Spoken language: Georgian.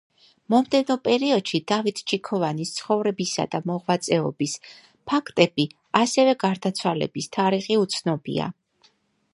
მომდევნო პერიოდში დავით ჩიქოვანის ცხოვრებისა და მოღვაწეობის ფაქტები, ასევე გარდაცვალების თარიღი უცნობია.